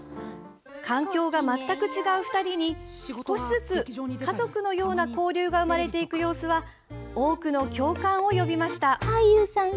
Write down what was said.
環境が全く違う２人に少しずつ家族のような交流が生まれていく様子は多くの共感を呼びました。